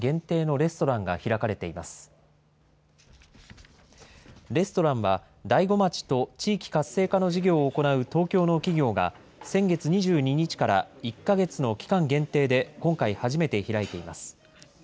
レストランは、大子町と地域活性化の事業を行う東京の企業が、先月２２日から１か月の期間限定で今回初めて開いています。